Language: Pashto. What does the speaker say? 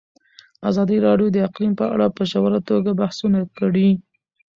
ازادي راډیو د اقلیم په اړه په ژوره توګه بحثونه کړي.